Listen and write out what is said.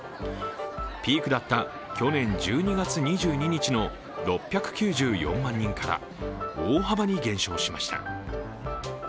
ピークだった去年１２月２２日の６９４万人から大幅に減少しました。